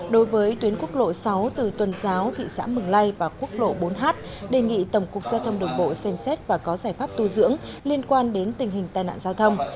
đối với tuyến quốc lộ sáu từ tuần giáo thị xã mường lây và quốc lộ bốn h đề nghị tổng cục giao thông đường bộ xem xét và có giải pháp tu dưỡng liên quan đến tình hình tai nạn giao thông